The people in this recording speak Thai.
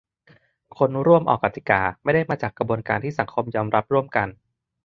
คนร่วมออกกติกา ไม่ได้มาจากกระบวนการที่สังคมยอมรับร่วมกัน